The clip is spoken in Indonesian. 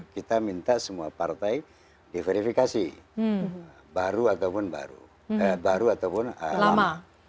kita minta semua partai diverifikasi baru ataupun lama